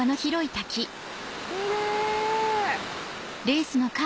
キレイ！